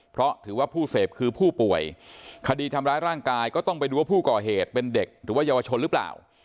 เพราะถือว่าผู้เสพคือผู้ป่วยคดีทำร้ายร่างกายก็ต้องไปดูว่าผู้ก่อเหตุเป็นเด็กหรือว่าเยาวชนหรือเปล่า